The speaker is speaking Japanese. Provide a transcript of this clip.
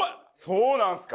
そうなんすか？